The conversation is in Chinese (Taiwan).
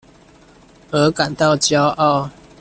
而感到驕傲